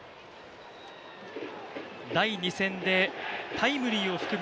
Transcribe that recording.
第２戦でタイムリーを含む